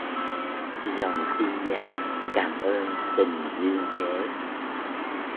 Dòng tin nhắn...cám ơn tình dương thế...!